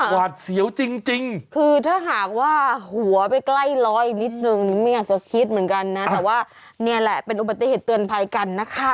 หวาดเสียวจริงคือถ้าหากว่าหัวไปใกล้ลอยนิดนึงไม่อยากจะคิดเหมือนกันนะแต่ว่านี่แหละเป็นอุบัติเหตุเตือนภัยกันนะคะ